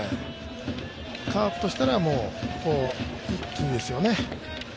カープとしたら、一気にですよね。